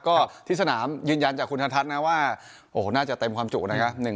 ก็ที่สนามยืนยันจากคุณธทัศน์นะว่าโอ้โหน่าจะเต็มความจุนะครับ